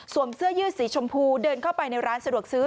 เสื้อยืดสีชมพูเดินเข้าไปในร้านสะดวกซื้อ